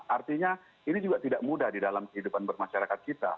artinya ini juga tidak mudah di dalam kehidupan bermasyarakat kita